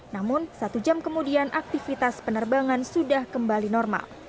namun satu jam kemudian aktivitas penerbangan sudah kembali normal